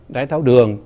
đáy tháo đường